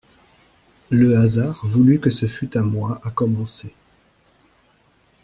Le hasard voulut que ce fût à moi à commencer.